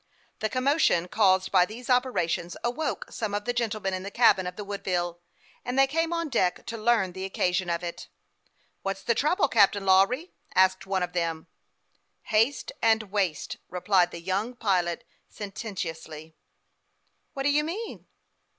The commotion caused by these operations awoke some of the gentlemen in the cabin of the Woodville, and they came on deck to learn the occasion of it. " What's the trouble, Captain Lawry ?" asked one of them. THE YOUNG PILOT OF LAKE CHAMPLAIX. 313 " Haste and waste," replied the young pilot, sen tentiously. " What do you mean